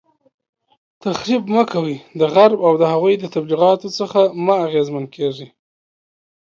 تخریب مه کوئ، د غرب او د هغوی د تبلیغاتو څخه مه اغیزمن کیږئ